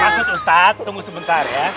maksud ustadz tunggu sebentar ya